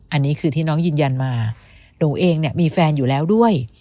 อันนี้คือที่น้องยืนยันมาหนูเองเนี่ยมีแฟนอยู่แล้วด้วย